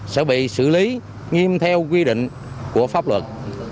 sẽ bị xử lý nghiêm theo quy định của pháp luật